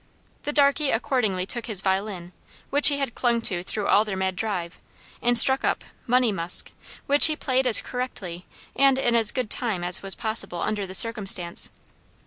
The darkey accordingly took his violin, which he had clung to through all their mad drive, and struck up "Money Musk," which he played as correctly and in as good time as was possible under the circumstance.